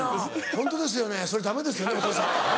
「ホントですよねそれダメですよねお義父さん」。